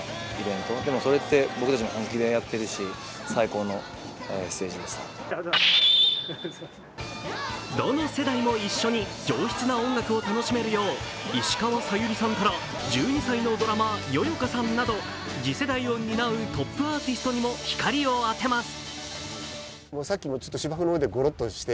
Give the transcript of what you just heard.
この熱意にアーティストが続々と賛同しどの世代も一緒に上質な音楽を楽しめるよう石川さゆりさんから１２歳のドラマー、ＹＯＹＯＫＡさんなど次世代を担うトップアーティストにも光を当てます。